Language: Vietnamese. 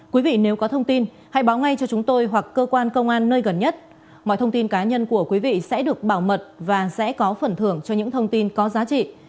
quý vị nếu có thông tin hãy báo ngay cho chúng tôi hoặc cơ quan công an nơi gần nhất mọi thông tin cá nhân của quý vị sẽ được bảo mật và sẽ có phần thưởng cho những thông tin có giá trị